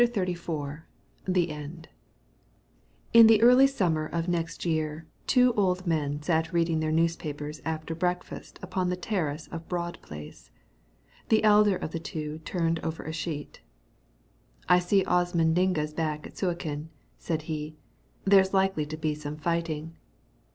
CHAPTER XXXIV THE END In the early summer of next year two old men sat reading their newspapers after breakfast upon the terrace of Broad Place. The elder of the two turned over a sheet. "I see Osman Digna's back at Suakin," said he. "There's likely to be some fighting."